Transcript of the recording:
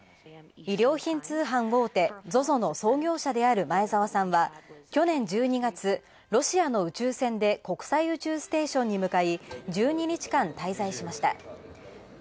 衣料通販大手ＺＯＺＯの創業者である前澤さんは去年１２月ロシアの宇宙船で国際宇宙ステーションに向かい、１２日間滞在しました。